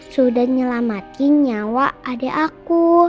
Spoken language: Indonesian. sudah nyelamatin nyawa adik aku